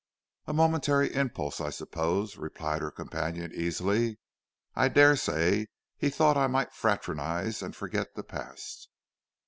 "A momentary impulse, I suppose," replied her companion easily. "I daresay he thought I might fraternise and forget the past."